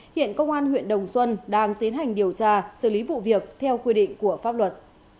hiện công an huyện đồng xuân đang tiến hành điều tra xử lý vụ việc theo quy định của pháp luật